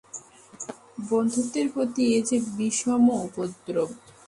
বন্ধুত্বের প্রতি এ যে বিষম উপদ্রব।